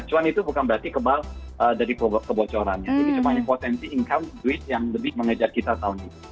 cuma itu bukan berarti kebal dari kebocorannya jadi cuma potensi income duit yang lebih mengejak kita tahun ini